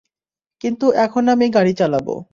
কিন্তু এখন আমি গাড়ি চালাবো।